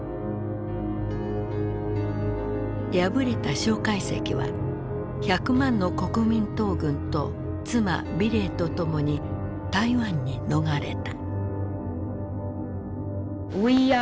敗れた介石は１００万の国民党軍と妻美齢と共に台湾に逃れた。